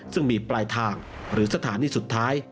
ซึ่งมีปลายทางหรือสถานีสุดท้าย